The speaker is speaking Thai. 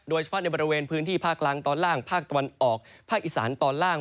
โดยเฉพาะในบริเวณพื้นที่ภาคล่างตอนล่างภาคตะวันออกภาคอีสานตอนล่าง